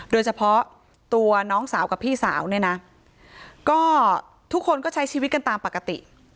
โดยเฉพาะตัวน้องสาวกับพี่สาวเนี่ยนะก็ทุกคนก็ใช้ชีวิตกันตามปกติ